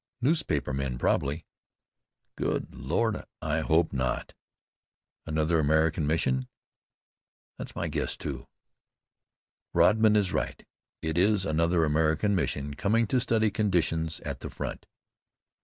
"Newspaper men probably." "Good Lord! I hope not." "Another American mission." "That's my guess, too." Rodman is right. It is another American mission coming to "study conditions" at the front.